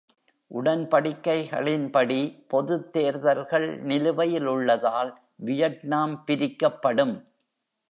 உடன்படிக்கைகளின்படி, பொதுத் தேர்தல்கள் நிலுவையில் உள்ளதால் வியட்நாம் பிரிக்கப்படும்.